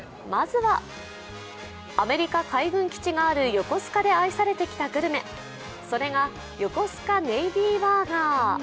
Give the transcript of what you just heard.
まずはアメリカ海軍基地がある横須賀で愛されてきたグルメ、それが、ヨコスカネイビーバーガー。